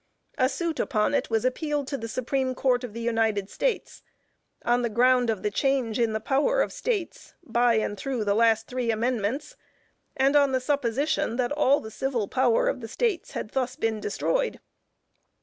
A suit upon it was appealed to the Supreme Court of the United States, on the ground of the change in the power of States, by, and through the last three amendments, and on the supposition that all the civil power of the States had thus been destroyed.